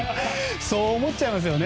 そう思っちゃいますよね。